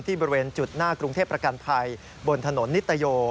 บริเวณจุดหน้ากรุงเทพประกันภัยบนถนนนิตโย